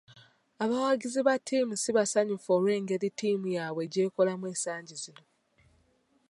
Abawagizi ba ttiimu si basanyufu olw'engeri ttiimu yaabwe gy'ekolamu ensangi zino.